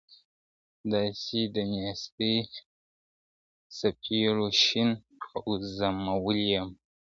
داسي د نېستۍ څپېړو شین او زمولولی یم `